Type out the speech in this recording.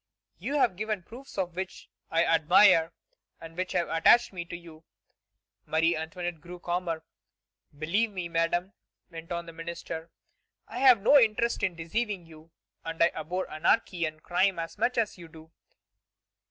You have given proofs of it which I admire and which have attached me to you." Marie Antoinette grew calmer. "Believe me, Madame," went on the minister; "I have no interest in deceiving you, and I abhor anarchy and crime as much as you do....